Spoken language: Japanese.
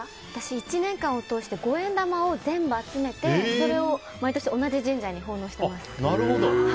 私１年間を通して五円玉を全部集めてそれを毎年同じ神社に奉納してます。